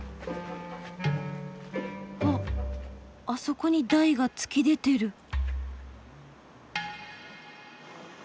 あそこに台が突き出てる。